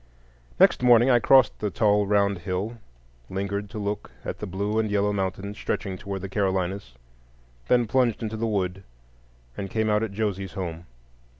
Next morning I crossed the tall round hill, lingered to look at the blue and yellow mountains stretching toward the Carolinas, then plunged into the wood, and came out at Josie's home.